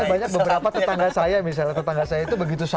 tapi banyak beberapa tetangga saya misalnya tetangga saya itu begitu saja